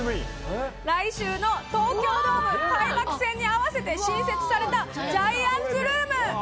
来週の東京ドーム開幕戦に合わせて新設されたジャイアンツルーム。